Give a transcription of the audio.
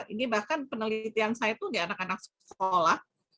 ini bahkan penelitian saya tuh di anak anak sekolah